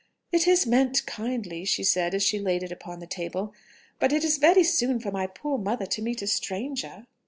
"It is meant kindly," she said as she laid it upon the table; "but it is very soon for my poor mother to meet a stranger."